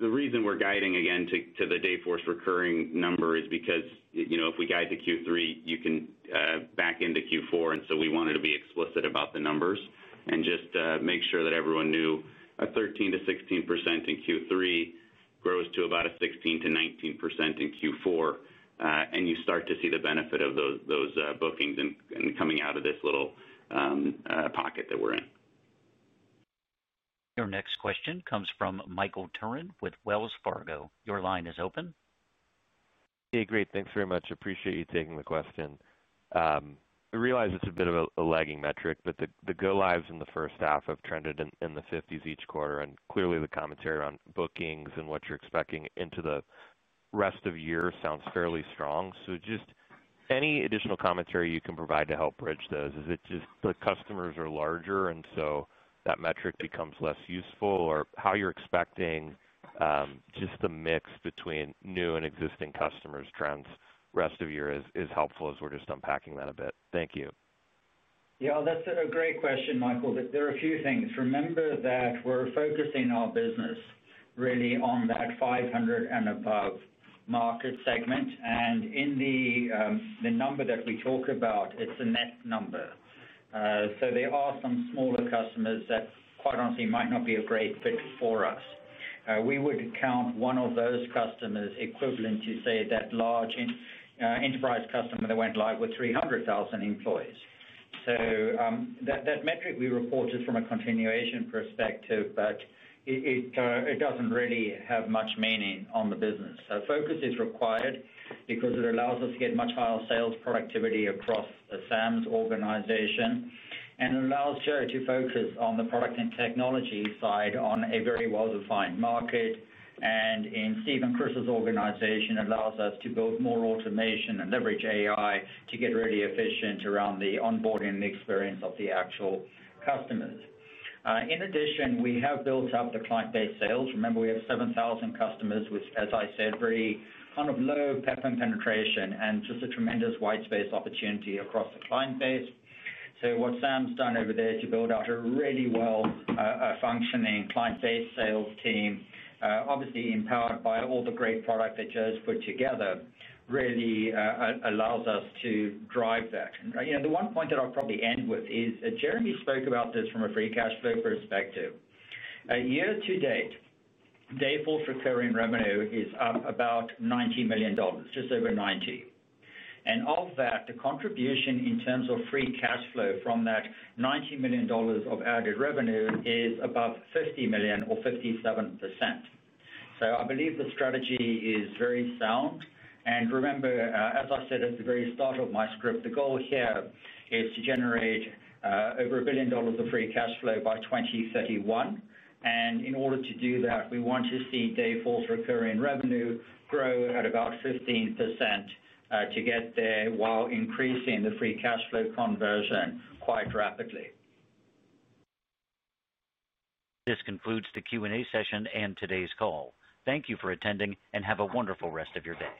The reason we're guiding again to the Dayforce recurring number is because, you know, if we guide the Q3, you can back into Q4. We wanted to be explicit about the numbers and just make sure that everyone knew a 13%-16% in Q3 grows to about a 16%-19% in Q4. You start to see the benefit of those bookings coming out of this little pocket that we're in. Your next question comes from Michael Turrin with Wells Fargo. Your line is open. Great, thanks very much. Appreciate you taking the question. I realize it's a bit of a lagging metric, but the go lives in the first half have trended in the 50s each quarter, and clearly the commentary around bookings and what you're expecting into the rest of year sounds fairly strong. Any additional commentary you can provide to help bridge those is helpful. Is it just the customers are larger and so that metric becomes less useful, or how you're expecting just the mix between new and existing customers trends? Rest of your is helpful as we're just unpacking that a bit. Thank you. Yeah, that's a great question, Michael. There are a few things. Remember that we're focusing our business really on that 500 and above market segment, and in the number that we talk about, it's the net number. There are some smaller customers that quite honestly might not be a great fit for us. We would count one of those customers equivalent to, say, that large enterprise customer that went live with 300,000 employees. That metric we reported from a continuation perspective, but it doesn't really have much meaning on the business focus required because it allows us to get much higher sales productivity across the Sam's organization and allows Jerry to focus on the product and technology side on a very well-defined market. In Steve Holdridge's organization, it allows us to build more automation and leverage AI to get really efficient around the onboarding and the experience of the actual customers. In addition, we have built up the client-based sales. Remember, we have 7,000 customers with, as I said, very kind of low PEP and penetration and just a tremendous white space opportunity across the client base. What Sam's done over there to build out a really well-functioning client-based sales team, obviously empowered by all the great product that Joe has put together, really allows us to drive that. The one point that I'll probably end with is Jeremy spoke about this from a free cash flow perspective. Year-to-date, Dayforce recurring revenue is up about $90 million, just over $90 million. Of that, the contribution in terms of free cash flow from that $90 million of added revenue is above $50 million, or 57%. I believe the strategy is very sound. Remember, as I said at the very start of my script, the goal here is to generate over $1 billion of free cash flow by 2031. In order to do that, we want to see Dayforce's recurring revenue grow at about 15% to get there while increasing the free cash flow conversion quite rapidly. This concludes the Q&A session and today's call. Thank you for attending and have a wonderful rest of your day.